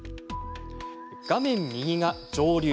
画面右が上流。